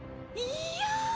いや！